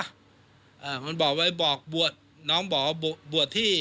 เขาบอกไปบวชน้องบอกบวชที่